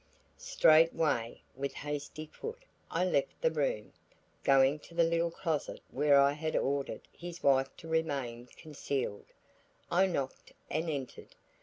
Straightway with hasty foot I left the room. Going to the little closet where I had ordered his wife to remain concealed, I knocked and entered.